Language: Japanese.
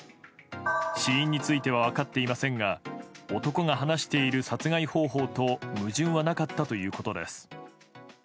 死因については分かっていませんが男が話している殺害方法と矛盾はなかったということです。